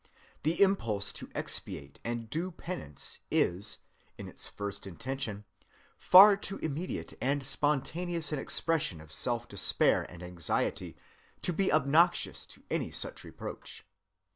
The impulse to expiate and do penance is, in its first intention, far too immediate and spontaneous an expression of self‐despair and anxiety to be obnoxious to any such reproach.